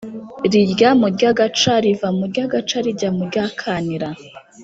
rirya mu ry’agaca riva mu ry’agaca rijya mu ry’akanira,